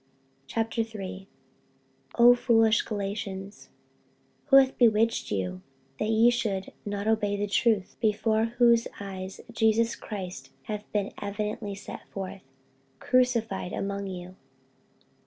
48:003:001 O foolish Galatians, who hath bewitched you, that ye should not obey the truth, before whose eyes Jesus Christ hath been evidently set forth, crucified among you?